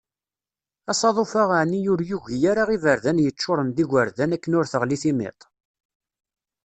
Asaḍuf-a aɛni ur yugi ara iberdan yeččuren d igurdan akken ur teɣli timiṭ?